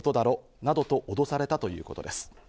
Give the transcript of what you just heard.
などと脅されたということです。